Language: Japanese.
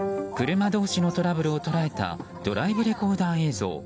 車同士のトラブルを捉えたドライブレコーダー映像。